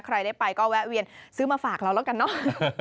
ใครได้ไปก็แวะเวียนซื้อมาฝากเราแล้วกันเนอะ